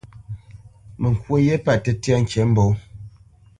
Mə kwǒ ghye pə̂ tə́tyá ŋkǐmbǒ.